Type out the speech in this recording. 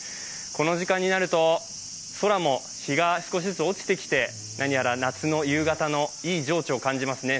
この時間になると空も日が少しずつ落ちてきて、何やら、夏の夕方のいい情緒を感じますね。